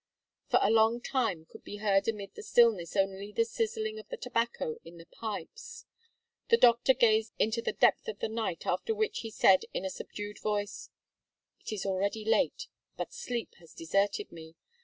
For a long time could be heard amid the stillness only the sizzling of the tobacco in the pipes. The doctor gazed into the depth of the night, after which he said in a subdued voice: "It is already late, but sleep has deserted me.